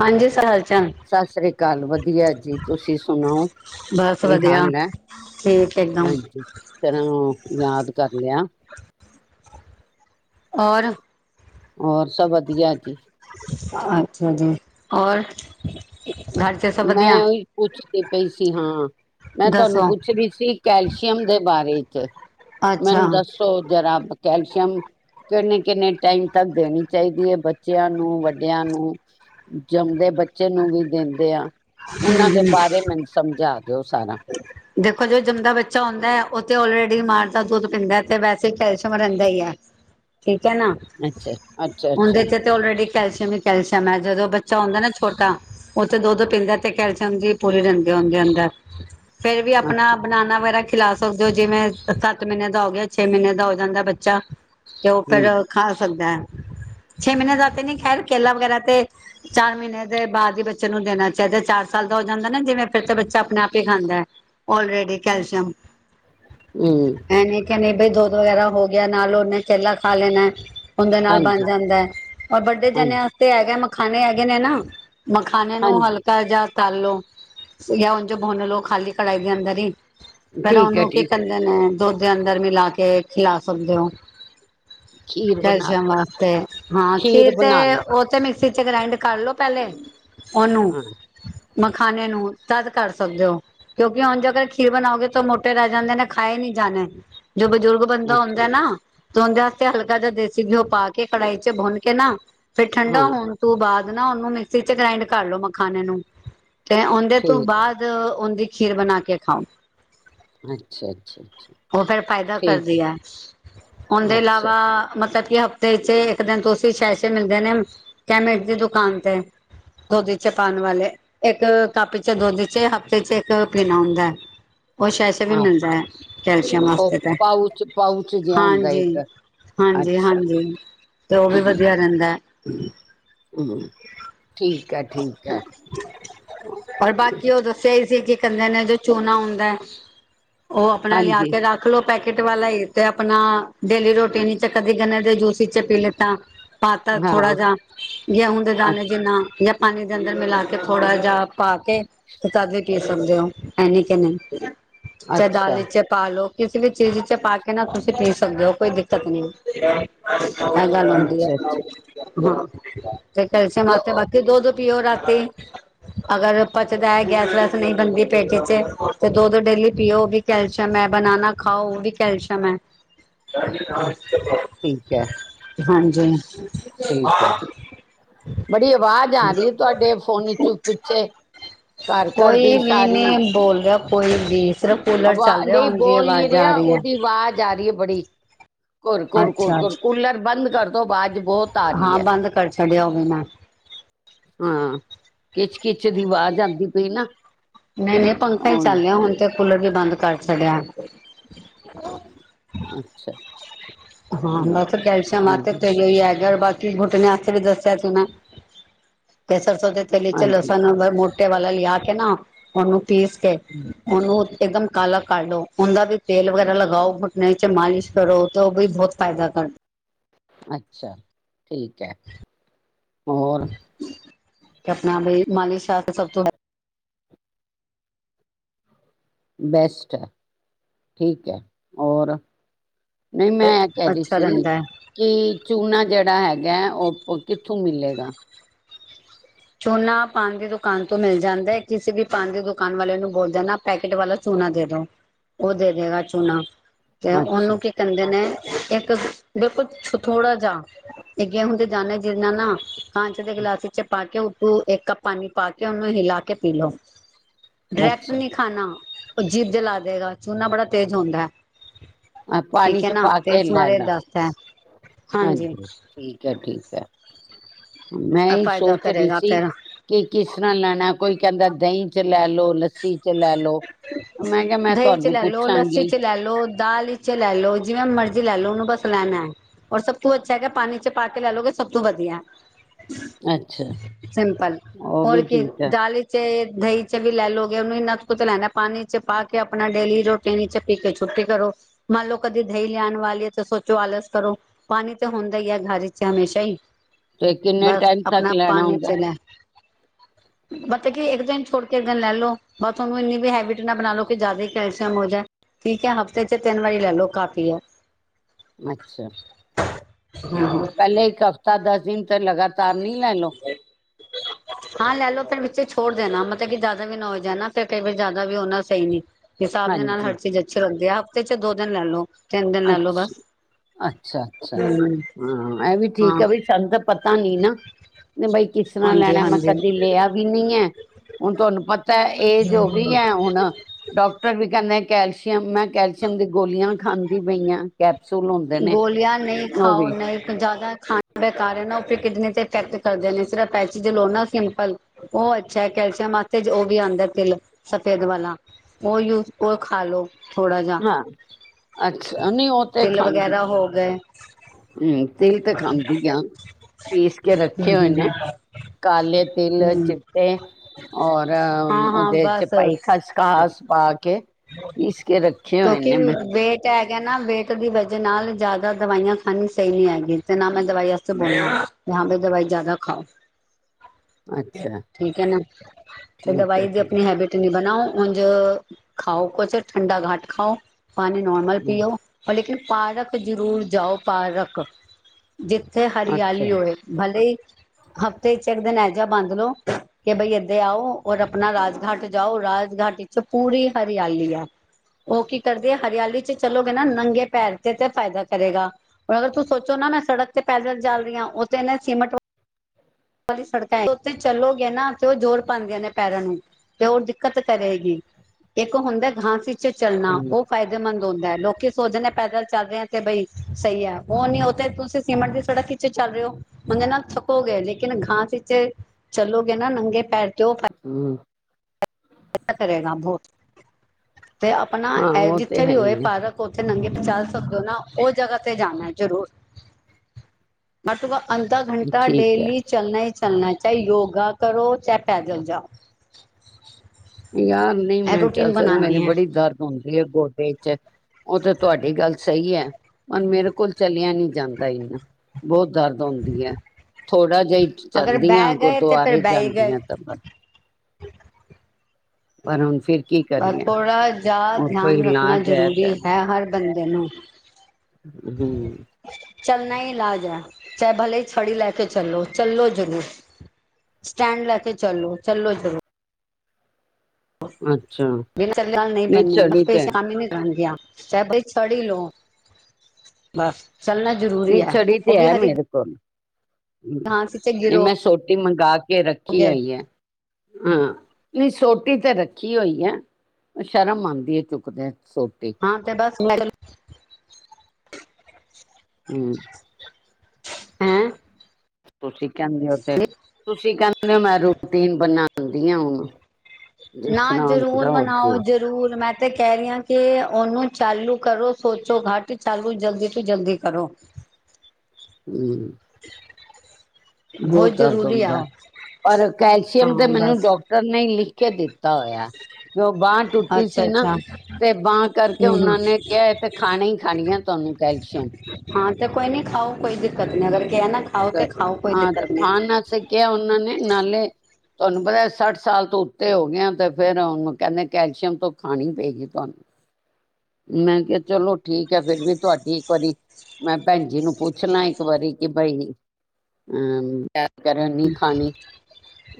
ਹਾਂਜੀ ਸਰ ਚਾਲ ਸਤਿ ਸ੍ਰੀ ਅਕਾਲ, ਵਧੀਆ ਜੀ, ਤੁਸੀਂ ਸੁਣੋ ਬਸ ਕੀ ਵਧੀਆ ਹਾਲ ਨੇ? ਠੀਕ ਇਕਦਮ ਤੇ ਨੂੰ ਯਾਦ ਕਰ ਲਆ ਔਰ? ਔਰ, ਸਭ ਵਧੀਆ ਜੀ। ਅੱਛਾ ਜੀ, ਹੋਰ ਮੈਂ ਉਹੀ ਪੁੱਛਦੀ ਪਈ ਸੀ, ਹਾਂ, ਮੈਂ ਤੁਹਾਨੂੰ ਦੱਸੋ ਪੁੱਛ ਰਹੀ ਸੀ ਕੈਲਸ਼ੀਅਮ ਦੇ ਬਾਰੇ 'ਚ, ਅੱਛਾ ਮੈਨੂੰ ਦੱਸੋ ਜਰਾ ਕੈਲਸ਼ੀਅਮ ਕਿੰਨੇ-ਕਿੰਨੇ ਟਾਈਮ ਤੱਕ ਦੇਣੀ ਚਾਹੀਦੀ ਹੈ ਬੱਚਿਆਂ ਨੂੰ, ਵੱਡਿਆਂ ਨੂੰ ਜੰਮਦੇ ਬੱਚੇ ਨੂੰ ਵੀ ਦਿੰਦੇ ਆ, ਉਹਨਾਂ ਦੇ ਬਾਰੇ ਮੈਨੂੰ ਸਮਝਾ ਦਿਓ ਸਾਰਾ। ਦੇਖੋ ਜੋ ਜੰਮਦਾ ਬੱਚਾ ਆਉਂਦਾ ਹੈ, ਉਹਥੇ ਅਲਰੇਡੀ ਮਾਂ ਦਾ ਦੁੱਧ ਪੀਂਦਾ ਤੇ ਵੈਸੇ ਤੇ ਕੈਲਸੀ਼ਅਮ ਰਹਿੰਦਾ ਹੀ ਆ, ਠੀਕ ਹੈ ਨਾ। ਅੱਛਾ, ਉਹਦੇ ਅੱਛਾ-ਅੱਛਾ। ਚ ਤੇ ਅਲਰੇਡੀ ਕੈਲੀਅਮ ਹੀ ਕੈਲਸ਼ੀਅਮ ਹੈ, ਜਦੋਂ ਬੱਚਾ ਹੁੰਦਾ ਨਾ ਛੋਟਾ ਉਹਥੇ ਦੁੱਧ ਪੀਂਦਾ ਤੇ ਕੈਲਸ਼ੀਅਮ ਦੀ ਪੂਰੀ ਰਹਿੰਦੇ ਆ, ਓਹਦੇ ਅੰਦਰ। ਫੇਰ ਵੀ, ਆਪਣਾ ਅੱਛਾ ਬਨਾਨਾ ਵਗੈਰਾ ਖਿਲਾ ਸਕਦੇ ਹੋ ਜਿਵੇਂ ਸੱਤ ਮਹੀਨੇ ਦਾ ਹੋ ਗਿਆ, ਛੇ ਮਹੀਨੇ ਦਾ ਹੋ ਜਾਂਦਾ ਬੱਚਾ ਤੇ ਉਹ ਫੇਰ ਹਮ ਖਾ ਸਕਦਾ ਹੈ, ਛੇ ਮਹੀਨੇ ਦਾ ਤੇ ਨਹੀਂ ਖੈਰ, ਕੇਲਾ ਵਗੈਰਾ ਤੇ ਚਾਰ ਮਹੀਨੇ ਦੇ ਬਾਅਦ ਹੀ ਬੱਚੇ ਨੂੰ ਦੇਣਾ ਚਾਹੀਦਾ, ਚਾਰ ਸਾਲ ਦਾ ਹੋ ਜਾਂਦਾ ਨਾ ਜਿਵੇਂ, ਫਿਰ ਤਾਂ ਬੱਚਾ ਆਪਣੇ ਆਪ ਖਾਂਦਾ ਹੈ, ਔਲਰੇਡੀ ਕੈਲਸ਼ੀਅਮ। ਹਮ ਐਨੇ ਕ ਬ ਦੁੱਧ ਵਗੈਰਾ ਹੋ ਗਿਆ, ਨਾਲ ਉਹਨੇ ਕੇਲਾ ਖਾ ਲੈਣਾ ਹੋਦੇ ਨਾਲ ਬਣ ਹਾਂਜੀ ਜਾਂਦਾ ਹੈ, ਰ ਵੱਡੇ ਜਨਿਆਂ ਹਾਂਜੀ ਵਾਸਤੇ ਹੈਗੇ ਮਖਾਨਣੇ ਹੈਗੇ ਨੇ ਨਾ ਮਖਾਨੇ ਨੂੰ ਹਾਂਜੀ ਹਲਕਾ ਜਾਂ ਤਲ ਲੋ, ਜਾਂ ਉਦਚ ਭੁਨ ਲਓ ਖਾਲੀ ਕੜਾਈ ਦੀ ਅੰਦਰ ਹੀ ਫੇਰ ਠੀਕ ਹੈ ਉਹਨੂੰ ਕੀ ਠੀਕ ਹੈ ਕਹਿੰਦੇ ਨੇ, ਦੁੱਧ ਦੇ ਅੰਦਰ ਮਿਲਾ ਕੇ ਖਿਲਾ ਸਕਦੇ ਹੋ। ਖੀਰ ਬਣਾ ਕੈਲਸ਼ੀਅਮ ਕੇ ਵਾਸਤੇ, ਹਾਂ ਖੀਰ ਤੇ ਬਣਾ ਲੋ ਉਹ ਤੇ ਮਿਕ ਕਸ਼ੀ 'ਚ ਗ੍ਰਾਇੰਡ ਕਰ ਲੋ ਪਹਿਲੇ ਉਹਨੂੰ ਹਾਂ ਮਖਾਾਨੇ ਨੂੰ, ਤਦ ਕਰ ਸਕਦੇ ਹੋ, ਕਿਉਂਕਿ ਹੁਣ ਜੇਕਰ ਖੀਰ ਬਣਾਓਗੇ ਤਾਂ, ਮੋਟੇ ਰਹਿ ਜਾਂਦੇ ਨੇ ਖਾਏ ਨਹੀਂ ਜਾਣੇ। ਜੋ ਬਜ਼ੁਰਗ ਬੰਦਾ ਅੱਛਾ ਹੁੰਂਦਾ ਨਾ, ਤੇ ਉਹਦੇ ਵਾਸਤੇ ਹਲਕਾ ਜ ਦੇਸੀ ਘਿਓ ਪਾ ਕੇ ਕੜਾਹੀ 'ਚ ਭੁਨ ਕੇ ਨਾ ਫਿਰ ਠੰਢਾ ਹਾਂ ਹੋਣ ਤੋਂ ਬਾਅਦ ਨਾ, ਉਹਨੂੰ ਮਿਕਸੀ 'ਚ ਗ੍ਰਾਇੰਡ ਕਰ ਲੋ ਮਖਾਣੇ ਨੂੰ 'ਤੇ ਉਹਦੇ ਤੋਂ ਠੀਕ ਹੈ ਬਾਦ, ਉਹਦੀ ਖੀਰ ਬਣਾ ਕੇ ਖਾਓ। ਅੱਛਾ ਅੱਛਾ, ਅੱਛਾ। ਉਹ ਫੇਰ ਫਾਇਦਾ ਠੀਕ ਕਰਦੀ ਐ, ਹੈ ਉਹਦੇ ਅੱਛਾ ਇਲਾਵਾ ਮਤਲਬ ਕਿ ਤੇੇ ਇੱਕ ਦਿਨ ਤੁਸੀਂ ਸੇਸ਼ੈ ਮਿਲਦੇ ਨੇ, ਕੈਮਿਸਟ ਦੀ ਦੁਕਾਨ ਤੇ ਦੁਧ 'ਚ ਪਾਉਣ ਵਾਲੇ ਇੱਕ ਕਪ 'ਚ ਦੋਧ 'ਚ, ਹਫ਼ਤੇ 'ਚ ਇੱਕ ਪੀਣਾ ਹੁੰਦਾ ਐ। ਉਹ ਸ਼ੈਸੇ ਵੀ ਹਾਂ ਮਿਲਦਾ ਐ, ਕੈਲਸ਼ੀਅਮ ਉਹ ਵਾਸਤੇ ਤਾਂ, ਪਾਊਚ ਪਾਊਚ ਜਿਹਾ ਹੁੰਦਾ ਹਾਂਜੀ। ਇੱਕ ਅੱਛਾ ਹਾਂਜੀ-ਹਾਂਜੀ, ਤੇ ਉਹ ਵੀ ਵਧੀਆ ਰਹਿੰਦਾ ਐ। ਹ- ਠੀਕ ਐ। ਹੋਰ ਬਾਕੀ ਉਹ ਦ ਸਹੀ ਸੀ, ਕੀ ਕਹਿੰਦੇ ਨੇ ਜੋ ਚੂਨਾ ਹੁੰਦਾ ਐ। ਉਹ ਆਪਣਾ ਲਿਆ ਹਾਂਜੀ ਕੇ ਰੱਖ ਰੱਖ ਲੋ। ਪੈਕੇਟ ਵਾਲਾ ਹੀ ਤੇ ਆਪਣਾ ਡੇਲੀ ਰੋਟੀਨ ਵਿਚ ਕਦੀ ਗਨੇ ਦੇ ਜੂਸ ਵਿਚ ਪੀ ਲੀਤਾ ਪਾਤਾ ਹਾਂ ਥੋੜਾ ਜਿਹਾ, ਗੇਹੁੰ ਦੇ ਦਾਣੇੇ ਅੱਛਾ ਜ ਜਾਂ ਪਾਣੀ ਦੇ ਅੰਦਰ ਮਿਲਾ ਕੇ ਥੋੜਾ ਜਿਹਾ ਪਾ ਕੇ। ਕੀ ਤਦ ਵੀ ਪੀ ਸਕਦੇ ਓ, ਐਨੀ ਕਿ ਨਹੀਂ ਚਾਏ ਅੱਛਾ ਦਾਲ ਚ ਪਾ ਲਓ। ਕਿਸੇ ਵੀ ਚੀਜ਼ ਚ ਪਾ ਕੇ ਨਾ ਤੁਸੀਂ ਪੀ ਸਕਦੇ ਓ ਕੋਈ ਦਿੱਕਤ ਨੀ ਇਹ ਗੱਲ ਹੁੰਦੀ ਐ, ਅੱਛਾ ਅੱਛਾ ਤੇ ਤੇ ਕੈਲਸ਼ਅਮ ਉਹ- ਫਿਰ ਦੋ ਦੋ ਪਿਓ, ਰਾਤੀ। ਅਗਰ ਪਚਦਾ ਐ, ਗੈਸ ਵੈਸ ਨਹੀਂ ਬਣਦੀ। ਪੇਟ ਚ ਤੇ ਦੋ ਦੋ ਡੇਲੀ ਪੀਓ ਵੀ। ਕੈਲਸ਼ੀਅਮ ਐ। ਬਨਾਨਾ ਖਾਓ, ਉਹ ਵੀ ਕੈਲਸ਼ੀਅਮ ਐ। ਠੀਕ ਹੈ ਹਾਂਜੀ। ਠੀਕ ਐ। ਬੜੀ ਆਵਾਜ਼ ਆ ਰਹੀ ਹੈ, ਤੁਹਾਡੇ ਫੋਨ ਚੋਂ ਪਿੱਛੇ ਘਰ-ਘਰ ਦੀ ਸਾਰੀ ਬੋਲਿਆ ਕੋਈ ਵੀ ਸਿਰਫ ਕੂਲਰ ਵ ਚੱਲ ਰਿਹਾ ਨਹੀਂ ਉਹਦੀ ਬੋਲ ਨਹੀਂ ਆਵਾਜ਼ ਰਹੀ ਆ। ਹੈ ਉਹਦੀ ਆਵਾਜ਼ ਆ ਰਹੀ ਐ ਬੜੀ। ਘੁਰਕੁਰ, ਅੱਛਾ ਕੁਰਕੁਰ, ਅੱਛਾ ਕੂਲਰ ਬੰਦ ਕਰਦੋ ਬਾਅਜ ਬਹੁਤ ਆ ਰਹੀ ਹਾਂ ਐ। ਬੰਦ ਕਰ ਛੱਡਿਆ ਉਹ ਵੀ ਮੈਂ ਹਾਂ। ਕਿੱਚ- ਕਿੱਚ ਦੀ ਆਵਾਜ਼ ਆਉਂਦੀ ਪਈ ਨਾ। ਨਹੀਂ, ਨਹੀਂ। ਪੰਖਾ ਹੀ ਉਹੀ ਚੱਲ ਰਿਆ ਹੁਣ ਤੇ ਕੂਲਰ ਵੀ ਬੰਦ ਕਰ ਛੱਡਿਆ ਅੱਛਾ। ਹਾਂ।। ਚਲੋ ਬਸ ਕੈਲਸ਼ਅਮ ਮਥ ਹਾਂਜੀ ਤੇਈ ਹੈਗ ਬ ਘੁਟਣੇ ਅਸਤੇ ਵੀ ਦੱਸਿਆ ਸੀ ਮੈਂ, ਸਰਸੋ ਦੇ ਤੇਲ ਚ ਹਾਂਜੀ ਲਸਣ ਬ ਤੇ ਵਾਲਾ ਲਿਆ ਕੇ ਨਾ, ਉਹਨੂੰ ਪੀਸ ਕੇ ਉਹਨੂੰ ਇੱਕਦਮ ਕਾਲਾ ਕਰ ਲੋ। ਉਹਦਾ ਵੀ ਤੇਲ ਵਗੈਰਾ ਲਗਾਓ, ਬੁਟਨੇ ਚ ਮਾਲਿਸ਼ ਕਰੋ ਤੇ ਉਹ ਵੀ ਬਹੁਤ ਫਾਇਦਾ ਕਰ ਅੱਛਾ, ਠੀਕ ਐ। ਹੋਰ ਆਪਣਾ ਮਾਲਸ਼ ਤੋਂ ਸਭ ਤੋਂ ਬੈਸਟ ਐ। ਠੀਕ ਹੈ, ਓਰ ਨਹੀਂ, ਮੈਂ ਕਹਿ ਰਹੀ ਅੱਛਾ ਸੀ। ਰਹਿੰਦਾ ਹੈ ਕਿ ਚੂਨਾ ਜਿਹੜਾ ਹੈਗਾ ਐ। ਉਹ ਕਿੱਥੋਂ ਮਿਲੇਗਾ? ਝੋਨਾ ਪਾਣੀ ਦੀ ਦੁਕਾਨ ਤੋਂ ਮਿਲ ਜਾਂਦਾ ਐ। ਕਿਸੇ ਵੀ ਪਾਣੀ ਦੀ ਦੁਕਾਨ ਵਾਲੇ ਨੂੰ ਬੋਲਦਾ ਨਾ ਪੈਕੇਟ ਵਾਲਾ ਚੂਨਾ ਦੇ ਦੋ। ਉਹ ਦੇ ਦੇਗਾ ਚੂਨਾ ਤੇ ਅੱਛਾ ਉਹਨੂੰ ਕੀ ਕਹਿੰਦੇ ਨੇ, ਇੱਕ ਬਿਲਕੁਲ ਥੋੜਾ ਜਿਆ ਇਹ ਗੇਹੂ ਦੇ ਦਾਣੇ ਜੇਨਾ ਨਾ ਖਾਂਚ ਦੇ ਗਿਲਾਸ ਵਿੱਚ ਪਾ ਕੇ, ਉੱਟੂ ਇੱਕ ਕੱਪ ਪਾਣੀ ਪਾ ਕੇ, ਉਹਨੂੰ ਹਿਲਾ ਕੇ ਪੀ ਲਓ। ਡਾਇਰੈਕਟ ਨਹੀਂ ਅੱਛਾ ਖਾਣਾ। ਉਹ ਜੀਬ ਦੇ ਲਾ ਦੇਗਾ, ਚੂਨਾ ਬੜਾ ਤੇਜ਼ ਹੁੰਦਾ ਐ। ਪਾਣੀ ਠੀਕ ਹੈ ਚ ਨਾ, ਪਾ ਤੇ ਕੇ ਇਸ ਲੈ ਮਾਰੇ ਲਾ ਦੱਸ ਤਾਂ ਐ। ਹਾਂਜੀ। ਠੀਕ ਐ-ਠੀਕ ਐ, ਮੈਂ ਇਹ ਫਾਇਦਾ ਸੋਚ ਰਹੀ ਕਰੇਗਾ ਸੀ। ਫਿਰ ਕਿ ਕਿਸ ਤਰ੍ਹਾਂ ਲੈਣਾ। ਕੋਈ ਕਹਿੰਦਾ ਦਹੀਂ ਚ ਲੈ ਲੋ, ਲੱਸੀ ਚ ਲੈ ਲੋ। ਮੈਂ ਕਿਹਾ ਮੈਂ ਤੁਹਾਨੂੰ ਪੁੱਛਾਂਗੀ? ਹੈਲੋ ਦਾਲ ਵਿੱਚ ਲੈ ਲੋ ਜਿਵੇਂ ਮਰਜ਼ੀ ਲੈ ਲੋ ਉਹਨੂੰ ਬਸ ਲੈਣਾ ਔਰ ਸਭ ਤੋਂ ਅੱਛਾ ਹੈਗਾ ਪਾਣੀ ਚ ਪਾ ਕੇ ਲੈ ਲਓਗੇ ਸਭ ਤੋਂ ਵਧੀਆ ਅੱਛਾ ਸਿੰਪਲ, ਉਹ ਹੋਰ ਵੀ ਕੀ ਠੀਕ ਹੈ ਦਾਲ ਈ ਜੇ ਦਹੀਂ ਚ ਵੀ ਲੈਲੋਗੇ, ਉਹ ਨੂੰ ਇੰਨਾ ਕੁਤ ਲੈਣਾ, ਪਾਣੀ ਚ ਪਾ ਕੇ ਆਪਣਾ, ਡੇਲੀ ਰੋਟੀਨ ਚ ਪੀ ਕੇ ਛੁੱਟੀ ਕਰੋ ਮੰਨ ਲਓ ਕਦੇ, ਦਹੀਂ ਲਿਆਉਣ ਵਾਲੀ ਹੈ ਤੇ, ਸੋਚੋ ਆਲਸ ਕਰੋ ਪਾਣੀ ਤਾਂ, ਹੁੰਦਾ ਹੀ ਹੈ ਘਰ ਵਿੱਚ ਹਮੇਸ਼ਾ ਹੀ, ਤੇ ਕਿੰਨੇ ਬਸ ਟਾਈਮ ਤੱਕ ਆਪਣਾ ਲੈਣਾ ਪਾਣੀ ਹੁੰਦਾ ਚੱਲੇ ਬਟ ਕੀ ਇੱਕ ਦਿਨ ਛੋੜ ਕੇ, ਲੈ ਲੋ ਤੁਹਾਨੂੰ ਇੰਨੀ ਵੀ ਹੈਬਿਟ ਨਾਲ ਬਣਾ ਲਓ ਕਿ, ਜ਼ਿਆਦਾ ਹੀ ਕੈਲਸ਼ਅਮ ਹੋ ਜਾਏ ਠੀਕ ਹੈ, ਹਫ਼ਤੇ ਚ ਤਿੰਨ ਵਾਰੀ ਲੈ ਲਓ, ਕਾਫੀ ਹੈ ਅੱਛਾ ਹਮ -ਹਮ ਪਹਿਲੇ, ਇੱਕ ਹਫ਼ਤਾ ਦਸ ਦਿਨ ਤਾਂ, ਲਗਾਤਾਰ ਨੀ ਲੈ ਲਓ ਹਾਂ। ਹਾਂ ਲੈ ਲਓ, ਫਿਰ ਵਿੱਚ ਛੋੜ ਦੇਣਾ ਮਤਲਬ ਕਿ, ਜ਼ਿਆਦਾ ਵੀ ਨਾ ਹੋ ਜਾਣਾ, ਫਿਰ ਕਈ ਵਾਰ ਜ਼ਿਆਦਾ ਵੀ ਹੋਣਾ ਸਹੀ ਨ ਹਿਸਾਬ ਦੇ ਨਾਲ, ਹਰ ਹਾਂਜੀ ਚੀਜ਼ ਅੱਛੀ ਲੱਗਦੀ ਹਫ਼ਤੇ ਚ ਦੋ ਦਿਨ ਲੈ ਲਓ ਅੱਛਾ -ਅੱਛਾ ਅੱਛਾ, ਹਮ ਐ ਵੀ ਹਾਂ ਠੀਕ ਹੈ ਵੀ ਸਾਨੂੰ ਤਾਂ ਪਤਾ ਨੀ ਨਾ, ਬਈ ਕਿਸ ਤਰ੍ਹਾਂ ਹਾਂਜੀ ਲੈਣਾ ਮੈਂ ਹਾਂਜੀ ਕਦੇ, ਲਿਆ ਵੀ ਨਹੀਂ ਐ ਹੁਣ, ਤੁਹਾਨੂੰ ਪਤਾ ਏਜ ਹੋ ਗਈ ਹੈ ਹੁਣ ਡਾਕਟਰ ਵੀ ਕਹਿੰਦੇ, ਕੈਲਸ਼ੀਅਮ ਮੈਂ ਕੈਲਸ਼ੀਅਮ ਦੀ ਗੋਲੀਆਂ ਖਾਾਂਦੀ ਬਈਆਂ ਕੈਪਸੂਲ ਹੁੰਦੇ ਨੇ, ਮੈ ਉਹ ਵੇਖਦੀ ਇੱਕ ਜ਼ਿਆਦਾ ਖਾਣਾ ਬੇਕਾਰ, ਏ ਨਾ ਕਿਡਨੀ ਤੇ ਇਫੈਕਟ ਕਰਦੇ ਨੇ, ਸਿਰਫ ਆਕਸੀਜ਼ਨ ਲੋ ਨਾ ਸਿੰਪਲ ਉਹ ਅੱਛਾ ਹੈ, ਕੈਲਸ਼ੀਅਮ ਵਾਸਤੇ ਉਹ ਵੀ ਆਉਂਦਾ ਤਿਲ ਸਫੇਦ ਵਾਲਾ ਉਹ ਯੂ, ਉਹ ਖਾ ਲ ਲੋ ਥੋੜਾ ਜਿਹਾ ਹਾ, ਅੱਛਾ ਨਹੀਂੀ ਉਹ ਤੇ ਤਿਲ ਖਾਂਦੀ ਵਗੈਰਾ ਹੋ ਗਏ ਹਮ ਤਿਲ ਤੇ ਖਾਂਦੀ ਆ, ਪੀਸ ਕੇ ਰੱਖੇ ਹਮ ਓਏ ਹਮ, ਕਾਲੇ ਤਿਲ ਹਮ, ਚਿੱਟੇ ਔਰ ਹਾਂ ਹਾਂ ਉਹਦੇ ਚ ਬਸ ਪਾਈ ਖਸ ਖਸ ਪਾ ਕੇ, ਪੀਸ ਕੇ ਰੱਖੇ ਹੋਏ ਮੈਂ ਤੇ ਹੈ ਗਿਆ ਨਾ, ਵੇਟ ਦੀ ਵਜ੍ਹਾ ਨਾਲ ਜ਼ਿਆਦਾ ਦਵਾਈਆਂ ਖਾਣੀ ਸਹੀ ਨੀ ਹੈਗੀ, ਤੇ ਨਾ ਮੈਂ ਦਵਾਈ ਬੋਾਂ ਜਾ ਪੇ ਦਵਾਈ, ਜ਼ਿਆਦਾ ਖਾਓ ਅੱਛਾ ਠੀਕ ਹੈ ਨਾ, ਤੇ ਠੀਕ ਹੈ ਦਵਾਈ ਦੀ ਆਪਣੀ, ਠੀਕ ਹੈਬਿਟ ਤੇ ਬਣਾਓ, ਉਝ ਖਾਓ ਕੁਛ, ਠੰਡਾ ਘਟ ਖਾਓ, ਪਾਣੀੀ ਨੋਰਮਲ ਪੀਓ ਲੇਕਿਨ ਪਾਰਕ ਜ਼ਰੂਰ ਜਾਓ, ਪਾਰਕ ਜਿੱਥੇ, ਹਰਿਆਲੀ ਅੱਛਾ ਹੋਏ ਹਾਲੇ ਹਫ਼ਤੇ ਚ, ਇੱਕ ਦਿਨ ਇਹ ਜਿਹਾ ਬੰਦ ਰੋ ਕਿ ਬਈ ਏਦਾਂ ਆਓ, ਔਰ ਆਪਣਾ ਰਾਜ ਘਾਟ ਜਾਓ, ਰਾਜ -ਘਾਟ ਵਿੱਚ ਪੂਰੀ ਹਰਿਆਲੀ ਹੈ ਉਹ ਕੀ ਕਰਦੇ ਹੈ, ਹਰਿਆਲੀ ਚ ਚਲੋਗੇ ਨਾ ਨੰਗੇ ਪੈਰ ਤੇ-ਤੇ ਫਾਇਦਾ ਕਰੇਗਾ ਹੁਣ ਅਗਰ ਤੂੰ ਸੋਚੋ ਨਾ, ਮੈਂ ਸੜਕ ਤੇ ਪੈਦਲ ਚੱਲ ਰਹੀ ਹਾਂ, ਉਥ ਇਹ ਸੀਮਟ ਸੀਮਟ ਵਾਲੀ ਸੜਕ ਉੱਥੇ ਚੱਲੋਗੇ ਨਾ, ਤੇ ਉਹ ਜੋੋਰ ਪਾਉਂਦੀਆਂ ਨੇ ਪੈਰਾਂ ਨੂੰ- ਤੇ ਉਹ ਦਿੱਕਤ ਕਰੇਗੀ, ਇੱਕ ਹੁੰਦਾ ਘਾਸ ਵਿੱਚ ਚੱਲਣਾ ਹਮ ਉਹ ਫਾਇਦੇਮੰਦ ਹੁੰਦਾ, ਹੈ ਲੋਕ ਸੋਚਦੇ ਪੈਦਲ ਚੱਲ ਰਹੇ ਆ ਤੇ ਬਈ ਸਹੀ ਹੈ, ਉਹ ਨੀ ਉਹ ਤੇ ਤੁਸੀਂ ਸੀਮੈਂਟ ਦੀ ਸੜਕ ਚ ਚੱਲ ਰਹੇ ਹੋ, ਹੁੰਦੇ ਨਾ ਥਕੋਗੇ ਲੇਕਿਨ ਘਾਸ ਵਿੱਚ, ਚੱਲੋਗੇ ਨਾ ਨੰਗੇ ਪੈਰ ਤੇ ਉਹ ਹਮ ਪਤਾ ਕਰੇਗਾ ਬਹੁਤ ਤੇ, ਆਪਣਾ ਹਾਂ ਇਹ ਉਹ ਤੇ ਜਿੱਥੇ ਹੈ ਵੀ ਹੋਏ ਹੀ ਪਾਦੌ ਉੱਥੇ ਨੰਗੇ ਪੈਰੀ ਚਲ ਸਕਦੇ ਹੋ ਨਾ, ਉਹ ਜਗ੍ਹਾ ਤੇ ਜਾਣਾ ਜਰੂਰ ਅਥਵਾ ਅੰਧਾ ਹੈ ਘੰਟਾ ਠੀਕ ਹੈ ਡੇਲੀ ਚੱਲਣਾ ਹੀ ਚੱਲਣਾ, ਚਾਹੇ ਯੋਗਾ ਕਰੋ, ਚਾਹੇ ਪੈਦਲ ਜਾਓ ਯਾਰ ਨਹੀਂ ਮੈਂ ਚੱਲ ਸਕਦੀ ਮੇਰੀ ਬੜੀ ਦਰਦ ਹੁੰਦੀ ਹੈ ਗੋਡੇ ਚ ਉਹ ਤਾਂ ਤੁਹਾਡੀ ਗੱਲ ਸਹੀ ਹੈ ਪਰ ਮੇਰੇ ਕੋਲ ਚਲਿਆ ਨੀ ਜਾਂਦਾ ਇਨਾ ਬਹੁਤ ਦਰਦ ਹੁੰਂਦੀ ਹੈ ਥੋੜ੍ਹਾ ਜਿਹਾ ਈ ਚੱਲਦੀ ਆ ਗੁਰਦੁਆਰੇ ਜਾਂਦੀਆਂ ਆ [unintelligible] ਪਰ ਹੁਣ ਫਿਰ ਕੀ ਬਸ ਕਰੀਏ ਥੋੜ੍ਹਾ ਜਾ ਹੋਰ ਕੋਈ ਧਿਆਨ ਰੱਖਣਾ ਇਲਾਜ ਹੈ ਜ਼ਰੂਰੀ ਤਾਂ ਹੈ ਹਰ ਬੰਦੇ ਨੂੰ ਹਮ ਚੱਲਣਾ ਹੀ ਇਲਾਜ ਹੈ ਚਾਹੇ ਭਲੇ ਹੀ ਛੜੀ ਲੈ ਕੇ ਚੱਲੋ ਚੱਲੋ ਜ਼ਰੂਰ ਸਟੈਂਡ ਲੈ ਕੇ ਚਲੋ ਚੱਲੋ ਜ਼ਰੂਰ [inaudible] ਅੱਛਾ ਨਹੀਂ ਛੜੀ ਤੇ ਪਰੇਸ਼ਾਨੀ ਨੀ ਬਣ ਗਿਆ ਚਾਹੇ ਤੁਸੀਂ ਛੜੀ ਲਓ ਬਸ ਚੱਲਣਾ ਜ਼ਰੂਰੀ ਹੈ ਉਹ ਵੀ ਹਰੀ ਇਹ ਮੈਂ ਸੋਟੀ ਮੰਗ ਕੇ ਰੱਖੀ ਹੋਈ ਹੈ ਹਾਂ ਨਹੀਂ ਸੋਟੀ ਤੇ ਰੱਖੀ ਹੋਈ ਐ ਸ਼ਰਮ ਆਉਂਦੀ ਹੈ ਚੁੱਕਦੇ ਆ ਸੋਟੇ ਹਾਂ ਤੇ ਬਸ ਮੈ ਹਮ ਤੁਸੀਂ ਕਹਿੰਦੇ ਹੋ ਤੇ ਤੁਸੀਂ ਕਹਿੰਦੇ ਹੋ ਮੈਂ ਰੂਟੀਨ ਬਣਾਉਂਦੀ ਆ ਹੁਨ ਨਾ ਜ਼ਰੂਰ ਮਨਾਓ ਜ ਜ਼ਰੂਰ ਮੈਂ ਤੇ ਕਹਿ ਰਹੀ ਹਾਂ ਕਿ ਉਹਨੂੰ ਚਾਲੂ ਕਰੋ ਸੋਚੋ ਘੱਟ ਚਾਲੂ ਜਲਦੀ ਤੋ ਜਲਦੀ ਕਰੋ ਹਮ ਬਹੁਤ ਦਰਦ ਜ਼ਰੂਰੀ ਆ ਹੁੰਦਾ ਉਹ ਔਰ ਕੈਲਸ਼ੀਅਮ ਤੇ ਹਾਂ ਮੈਨੂੰ ਬਸ ਡੋ ਨੇ ਈ ਲਿਖ ਕੇ ਦਿੱਤਾ ਹੋਇਆ ਕਿ ਉਹ ਬਾਂਹ ਟੁੱਟੀ ਅੱਛਾ ਸੀ ਨਾ ਅੱਛਾ ਤੇ ਬਾਂਹ ਕਰਕੇ ਹਮ ਹਮ ਉਹਨਾਂ ਨੇ ਕਿਹਾ ਤੇ ਖਾਣਾ ਹੀ ਖਾਣੀਆਂ ਤੁਹਾਨੂੰ ਕੈਲਸ਼ੀਅਮ ਹਾਂ ਤੇ ਕੋਈ ਨੀ ਖਾਓ ਕੋਈ ਦਿੱਕਤ ਨੀ ਅਗਰ ਕਿਹਾ ਨਾ ਖਾਓ ਦ ਤੇ ਖਾਓ ਕੋਈ ਅਹ ਦਿੱਕਤ ਨਹੀਂ ਖਾਨ ਆਸੇ ਕਿਹਾ ਉਹਨਾਂ ਨੇੇ ਨਾਲੇੇ ਤੁਹਾਨੂੰ ਪਤਾ ਸੱਠ ਸਾਲ ਤੋਂ ਉੱਤੇ ਹੋ ਗਏ ਤੇ ਆ ਫੇਰ ਕਹਿੰਦੇ ਕੈਲਸ਼ੀਅਮ ਤੋਂ ਖਾਣੀ ਪਏਗੀ ਤੁਹਾਨੂੰ ਹ ਮੈਂ ਕਿਹਾ ਚਲੋ ਠੀਕ ਹੈ ਫੇਰ ਵੀ ਤੁਹਾਡੀ ਇੱਕ ਵਾਰੀ ਮੈਂ ਭੈਣ ਜੀ ਨੂੰ ਪੁੱਛ ਲਾ ਇੱਕ ਵਾਰੀ ਕਿ ਬਈ ਅ ਵਗੈਰਾ ਨਹੀ ਖਾਣੀ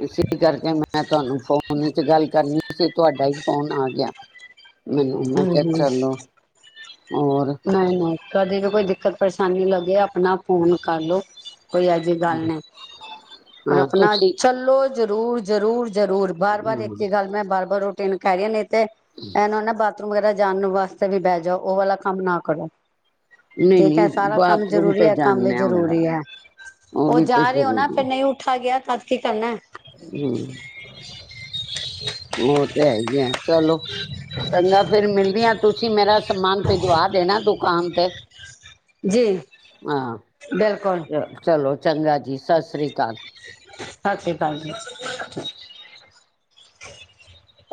ਇਸ ਕਰਕੇ ਮੈਂ ਤੁਹਾਨੂੰ ਫੋਨ ਚ ਗੱਲ ਕਰਨੀ ਸੀ ਤੁਹਾਡਾ ਹੀ ਫੋਨ ਆ ਗਿਆ ਮੈਨੂੰ ਮੈਂ ਹਮ ਕਿਹਾ ਹਮ ਚਲੋ ਹੋਰ ਨਹੀਂ ਨਹੀਂ ਕਦੇ ਵੀ ਕੋਈ ਦਿੱਕਤ ਪਰੇਸ਼ਾਨੀ ਲੱਗੇ ਆਪਣਾ ਫੋਨ ਕਰ ਲਓ ਕੋਈ ਇਹ ਜਿਹੀ ਗੱਲ ਨਹੀਂ ਪਰ ਹਾਂ ਆਪਣਾ ਤੁਸੀਂ ਚੱਲੋ ਜ਼ਰੂਰ ਜ਼ਰੂਰ ਜ਼ਰੂਰ ਬਾਰ ਬਾਰ ਇੱਕ ਹਮ ਹੀ ਗੱਲ ਮੈਂ ਬਾਰ ਬਾਰ ਰੋਟੀਨ ਖਾ ਰਹੀ ਹ ਨਹੀਂ ਤੇ ਇਹਨੂੰ ਨਾ ਭਾ ਬਾਥਰੂਮ ਵਗੈਰਾ ਜਾਣ ਵਾਸਤੇ ਵੀ ਬਹਿ ਜਾਓ ਉਹ ਵਾਲਾ ਕੰਮ ਨਾ ਕਰੋ ਨਹੀਂ ਠੀਕ ਨਹੀਂ ਹੈ ਸਾਰਾ ਕੰਮ ਬਾਥਰੂਮ ਜਰੂਰੀ ਤੇ ਹੈ ਇਹ ਕੰਮ ਵੀ ਜਾਣਿਆ ਹੁੰਦਾ ਜ਼ਰੂਰੀ ਹੈ ਉਹ ਵੀ ਤੇ ਜਾ ਰਹੇ ਹੋ ਨਾ ਜ਼ਰੂਰੀ ਫੇਰ ਨਹੀਂ ਉੱਠਾ ਗਿਆ ਤਦ ਕੀ ਕਰਨਾ ਹਮ ਉਹ ਤੇ ਹੈ ਹੀ ਹੈ ਚਲੋ ਚੰਗਾ ਫੇਰ ਮਿਲਦੀਆਂ ਤੁਸੀਂ ਮੇਰਾ ਸਮਾਨ ਭਿਜਵਾ ਦੇਣਾ ਦੁਕਾਨ ਤੇ ਜੀ ਹਾਂ ਬਿਲਕੁਲ। ਚ ਚਲੋ ਚੰਗਾ ਜੀ, ਸਤਿ ਸ਼੍ਰੀ ਅਕਾਲ। ਸਤਿ ਸ੍ਰੀ ਅਕਾਲ ਜੀ।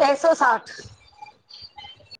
ਏਕ ਸੌ ਸਾਠ।